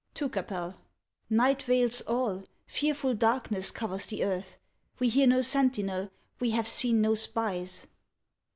TiicapcL Night veils all ; fearful darkness covers the earth. We hear no sentinel ; we have seen no spies.